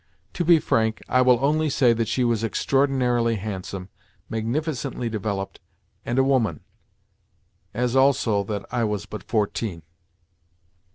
To be frank, I will only say that she was extraordinarily handsome, magnificently developed, and a woman—as also that I was but fourteen.